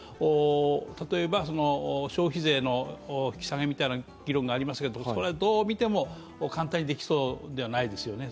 例えば、消費税の引き下げみたいな議論がありますけどこれはどう見ても簡単にできそうではないですよね。